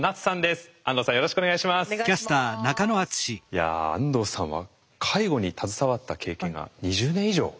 いや安藤さんは介護に携わった経験が２０年以上。